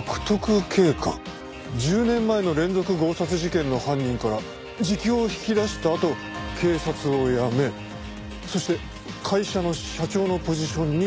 １０年前の連続強殺事件の犯人から自供を引き出したあと警察を辞めそして会社の社長のポジションに就いた。